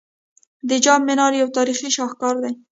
د جام منار یو تاریخي شاهکار دی